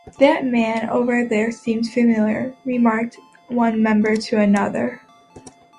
"That man over there seems familiar", remarked one member to another.